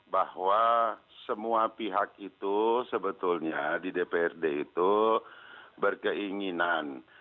bahwa semua pihak itu sebetulnya di dprd itu berkeinginan